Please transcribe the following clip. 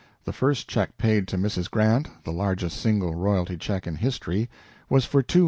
The first check paid to Mrs. Grant the largest single royalty check in history was for $200,000.